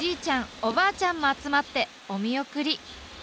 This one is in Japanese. おばあちゃんも集まってお見送り。